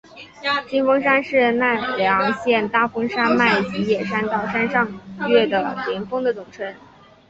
金峰山是奈良县大峰山脉吉野山到山上岳的连峰的总称。